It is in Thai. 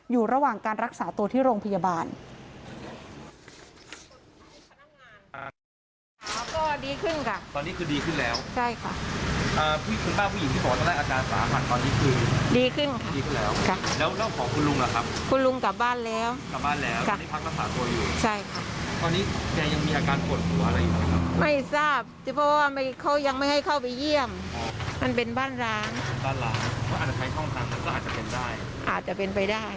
อยู่ระหว่างการรักษาตัวที่โรงพยาบาล